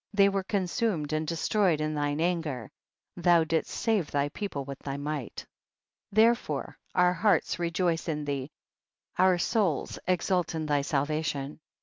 18. They were consumed and de stroyed in thine anger, thou didst save thy people with thy might. 19. Therefore our hearts rejoice in thee, our souls exult in thy salvation.